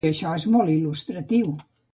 I això és molt il·lustratiu.